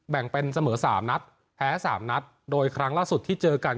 แบ่งเป็นเสมอสามนัดแพ้สามนัดโดยครั้งล่าสุดที่เจอกัน